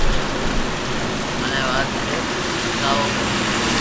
مني آ وات رو پچتاوہ ھيي